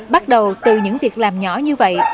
bắt đầu từ những việc làm nhỏ như vậy